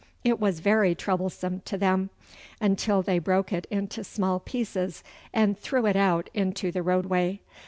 It was very troublesome to them, until they broke it into small pieces and threw it out into the roadway.